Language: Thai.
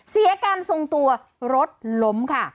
เสียการทรงตัวรถล้มค่ะ